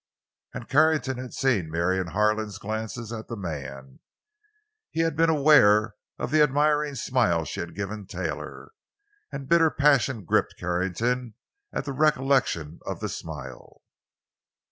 And Carrington had seen Marion Harlan's glances at the man; he had been aware of the admiring smile she had given Taylor; and bitter passion gripped Carrington at the recollection of the smile.